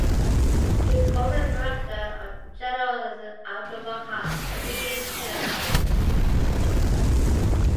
She is also the Director General of Abubakar Rimi Television.